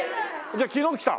じゃあ昨日来た？